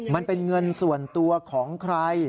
มันเป็นเงินส่วนตัวของใคร